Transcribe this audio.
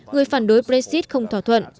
người phản đối brexit không thỏa thuận